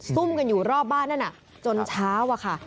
สุ้มอยู่รอบบ้านนั้นน่ะจนเช้าค่ะ